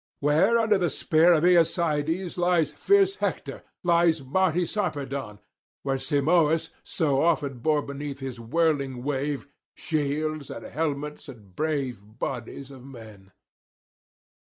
where under the spear of Aeacides lies fierce Hector, lies mighty Sarpedon; where Simoïs so often bore beneath his whirling wave shields and helmets and brave bodies of men.'